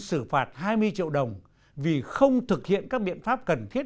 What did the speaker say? xử phạt hai mươi triệu đồng vì không thực hiện các biện pháp cần thiết